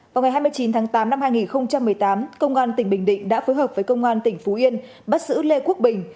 vào ngày hai mươi chín tháng tám năm hai nghìn một mươi tám công an tỉnh bình định đã phối hợp với công an tỉnh phú yên bắt giữ lê quốc bình